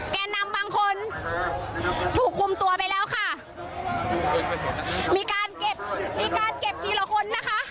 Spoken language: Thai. แก่นำบางคนถูกคุมตัวไปแล้วค่ะมีการเก็บมีการเก็บทีละคนนะคะ